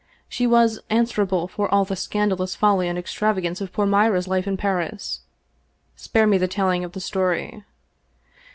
She was an swerable for all the scandalous folly and extravagance 'of poor Mira's life in Paris — spare me the telling of the story.